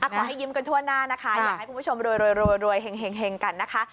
ขอให้ยิ้มกันทั่วหน้านะคะอยากให้คุณผู้ชมรวยเห็งกันนะคะ